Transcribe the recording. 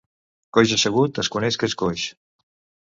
Coix assegut es coneix que és coix.